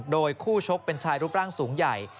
โดยคู่ชกเป็นชายรูปร่างสูงใหญ่